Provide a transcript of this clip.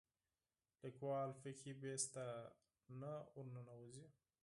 لیکوال فقهي بحث ته نه ورننوځي